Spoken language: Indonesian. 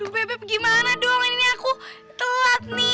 beb gimana dong ini aku telat nih